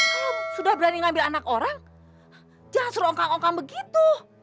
kalau sudah berani ngambil anak orang jangan serongkang ongkang begitu